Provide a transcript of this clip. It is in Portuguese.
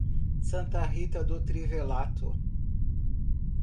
Santa Rita do Trivelato